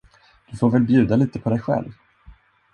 Du får väl bjuda lite på dig själv!